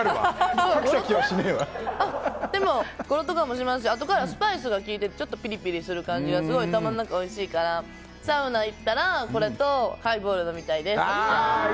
でも、ゴロッと感もしますしあとからスパイスが効いてピリピリしてすごいたまらなくおいしいからサウナ行ったらこれとハイボール飲みたいです。